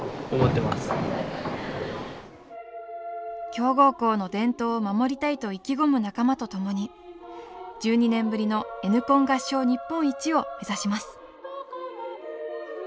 強豪校の伝統を守りたいと意気込む仲間とともに１２年ぶりのＮコン合唱日本一をめざします！